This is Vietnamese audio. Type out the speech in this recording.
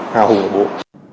hào hùng của bố